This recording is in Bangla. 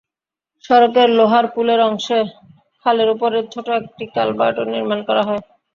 সড়কের লোহারপুলের অংশে খালের ওপরে ছোট একটি কালভার্টও নির্মাণ করা হয়।